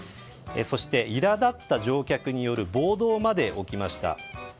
そして苛立った乗客による暴動まで起きました。